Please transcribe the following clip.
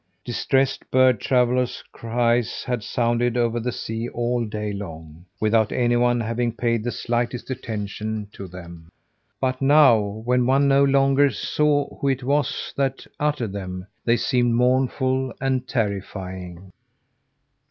Distressed bird travellers' cries had sounded over the sea all day long, without anyone having paid the slightest attention to them; but now, when one no longer saw who it was that uttered them, they seemed mournful and terrifying.